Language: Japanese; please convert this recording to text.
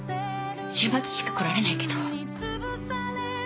週末しか来られないけど。